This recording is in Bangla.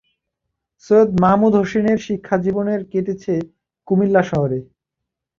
সৈয়দ মাহমুদ হোসেনের শিক্ষা জীবনের কেটেছে কুমিল্লা শহরে।